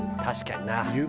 確かにな。